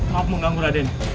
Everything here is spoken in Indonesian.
maaf mengganggu raden